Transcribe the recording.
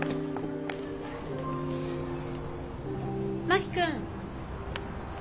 真木君！